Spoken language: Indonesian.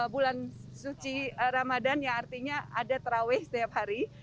bulan suci ramadhan ya artinya ada terawih setiap hari